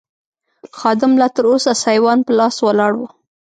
خادم لا تراوسه سایوان په لاس ولاړ و.